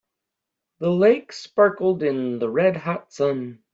The lake sparkled in the red hot sun.